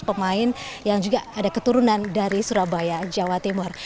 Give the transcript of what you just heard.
pemain yang juga ada keturunan dari surabaya jawa timur